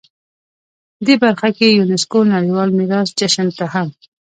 دې برخه کې یونسکو نړیوال میراث جشن ته هم